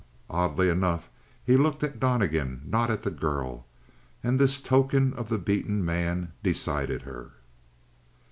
Oddly enough, he looked at Donnegan, not at the girl, and this token of the beaten man decided her.